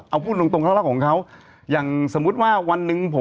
เอาพูดตรงของเขา